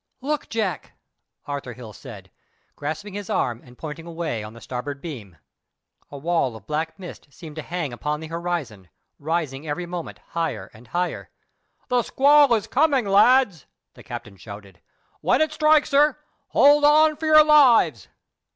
"Look, Jack!" Arthur Hill said, grasping his arm and pointing away on the starboard beam. A wall of black mist seemed to hang upon the horizon, rising every moment higher and higher. "The squall is coming, lads!" the captain shouted. "When it strikes her, hold on for your lives.